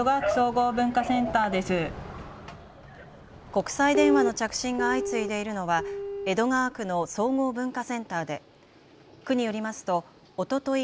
国際電話の着信が相次いでいるのは江戸川区の総合文化センターで区によりますとおととい